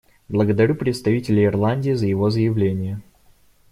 Благодарю представителя Ирландии за его заявление.